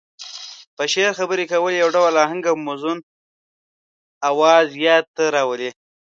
په شعر خبرې کول يو ډول اهنګ او موزون اواز ياد ته راولي.